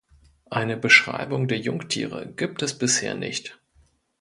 Eine Beschreibung der Jungtiere gibt es bisher nicht.